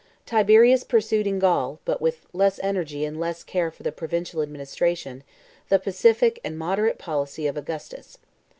Tiberius pursued in Gaul, but with less energy and less care for the provincial administration, the pacific and moderate policy of Augustus.